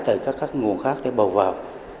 từ các nguồn khác để bầu vào